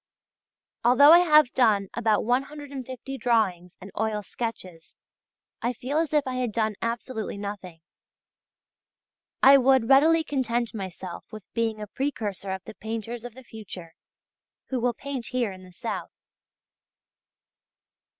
Although I have done about 150 drawings and oil sketches I feel as if I had done absolutely nothing. I would readily content myself with being a precursor of the painters of the future who will paint here in the south.